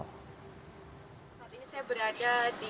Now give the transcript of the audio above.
saat ini saya berada